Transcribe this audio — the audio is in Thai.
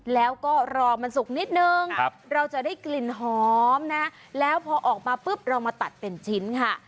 แล้วก็รอมันสุกนิดนึงเราจะได้กลิ่นหอมนะแล้วพอออกมาปุ๊บเรามาตัดเป็นชิ้นค่ะ